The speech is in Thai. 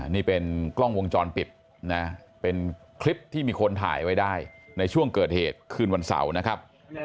นี่เป็นกล้องวงจรปิดนะเป็นคลิปที่มีคนถ่ายไว้ได้ในช่วงเกิดเหตุคืนวันเสาร์นะครับ